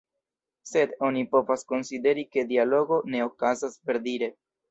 Sed, oni povas konsideri ke dialogo ne okazas, verdire.